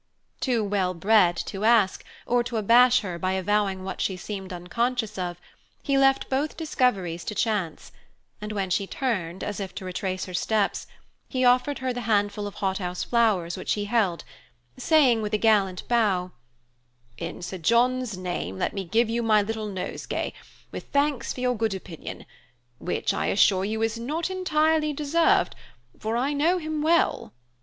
Too well bred to ask, or to abash her by avowing what she seemed unconscious of, he left both discoveries to chance; and when she turned, as if to retrace her steps, he offered her the handful of hothouse flowers which he held, saying, with a gallant bow, "In Sir John's name let me give you my little nosegay, with thanks for your good opinion, which, I assure you, is not entirely deserved, for I know him well."